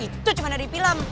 itu cuma dari film